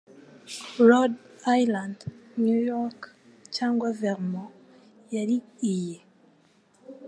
Rhode Island, New York, cyangwa Vermont yari iyi: